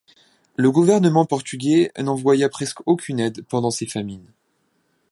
Le gouvernement portugais n’envoya presque aucune aide pendant ces famines.